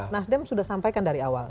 nasdem sudah sampaikan dari awal